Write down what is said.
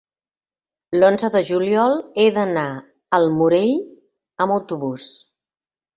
l'onze de juliol he d'anar al Morell amb autobús.